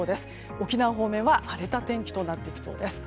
沖縄方面は荒れた天気となってきそうです。